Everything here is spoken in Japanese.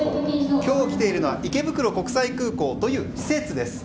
今日来ているのは池袋国際空港という施設です。